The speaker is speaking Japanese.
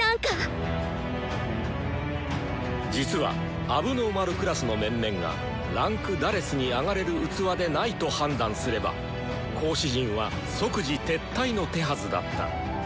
実は問題児クラスの面々が位階「４」に上がれる器でないと判断すれば講師陣は即時撤退の手はずだった。